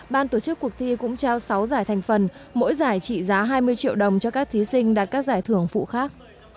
ban tổ chức cuộc thi cũng trao sáu giải thành phần mỗi giải trị giá hai mươi triệu đồng cho các thí sinh đạt các giải thưởng phụ khác